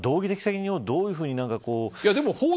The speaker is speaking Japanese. ただ、道義的責任をどういうふうに。